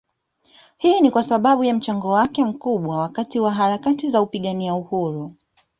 Hii ni kwasababu ya mchango wake mkubwa wakati wa harakati za kupigania uhuru